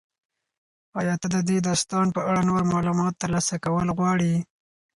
ایا ته د دې داستان په اړه نور معلومات ترلاسه کول غواړې؟